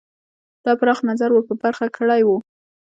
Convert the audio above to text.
دا پراخ نظر ور په برخه کړی وو.